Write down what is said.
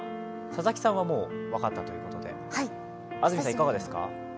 佐々木さんはもう分かったということで、安住さんいかがですか？